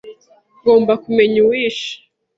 Ngomba kumenya uwishe .